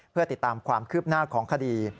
เพื่อติดตามความคืบหน้าของคดี